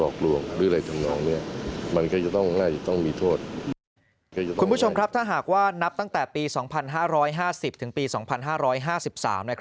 คุณผู้ชมครับถ้าหากว่านับตั้งแต่ปี๒๕๕๐ถึงปี๒๕๕๓นะครับ